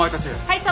はい